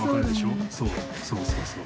そうそうそうそう。